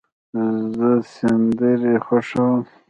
زه سندرې خوښوم.